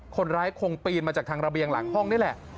คนร้ายคงปีนมาจากทางระเบียงหลังห้องนี่แหละ